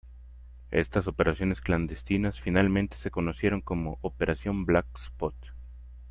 Estas operaciones clandestinas finalmente se conocieron como "Operación Black Spot".